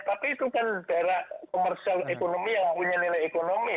tapi itu kan daerah komersial ekonomi yang punya nilai ekonomi